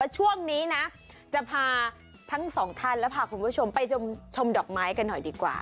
ช่วงนี้นะจะพาทั้งสองท่านและพาคุณผู้ชมไปชมดอกไม้กันหน่อยดีกว่า